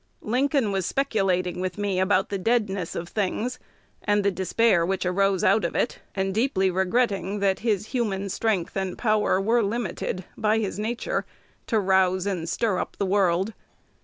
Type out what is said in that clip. Lincoln was speculating with me about the deadness of things, and the despair which arose out of it, and deeply regretting that his human strength and power were limited by his nature to rouse and stir up the world.